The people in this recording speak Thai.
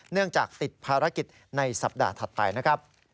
เนื่องจากติดภารกิจในสัปดาห์ถัดไปนะครับ